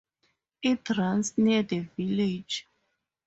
It runs near the village.